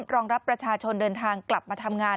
รองรับประชาชนเดินทางกลับมาทำงาน